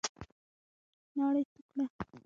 ناړي تو کړه !